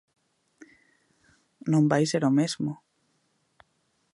Non vai ser o mesmo.